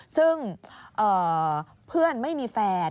ซึ่งเพื่อนไม่มีแฟน